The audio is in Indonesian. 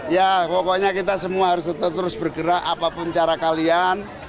ya pokoknya kita semua harus terus bergerak apapun cara kalian